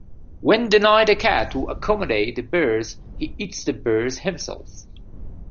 When denied a cat to accommodate the birds, he eats the birds himself.